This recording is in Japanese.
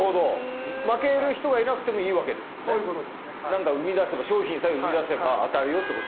何かうみだせば商品さえうみだせば当たるよっていうことだ。